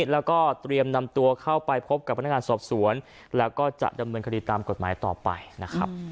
แล้วก็เตรียมนำตัวเข้าไปพบกับพนักงานสอบสวนแล้วก็จะดำเนินคดีตามกฎหมายต่อไปนะครับ